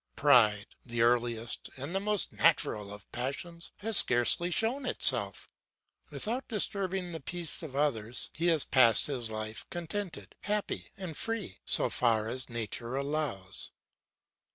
Pride, the earliest and the most natural of passions, has scarcely shown itself. Without disturbing the peace of others, he has passed his life contented, happy, and free, so far as nature allows.